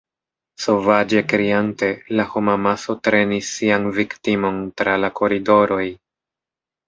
Sovaĝe kriante, la homamaso trenis sian viktimon tra la koridoroj.